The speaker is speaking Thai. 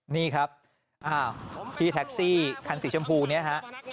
นี่ครับพี่แท็กซี่คันสีชมพูเนี่ยฮะ